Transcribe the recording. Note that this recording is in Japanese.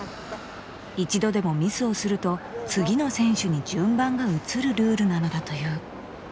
一度でもミスをすると次の選手に順番が移るルールなのだという。